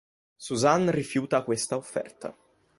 Suzanne rifiuta questa offerta.